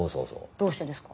どうしてですか？